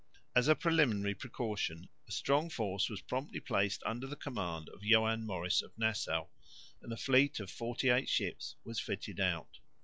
As a preliminary precaution, a strong force was promptly placed under the command of Joan Maurice of Nassau, and a fleet of forty eight ships was fitted out.